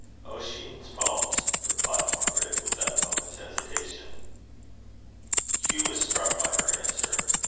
"Ossian's Poems," replied Margaret, without a moment's hesitation. Hugh was struck by her answer.